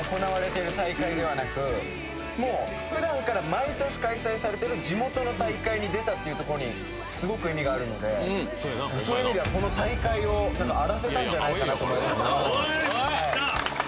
もう普段から毎年開催されてる地元の大会に出たっていうとこにすごく意味があるのでそういう意味ではこの大会を荒らせたんじゃないかなと思いますね